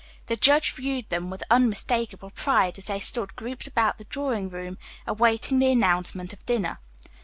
The judge viewed them with unmistakable pride as they stood grouped about the drawing room, awaiting the announcement of dinner.